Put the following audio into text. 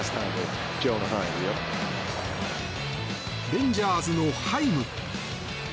レンジャーズのハイム。